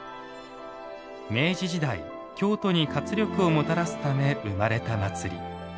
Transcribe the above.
明治時代、京都に活力をもたらすため生まれた祭り。